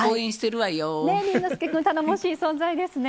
ねぇ、倫之亮君、頼もしい存在ですね。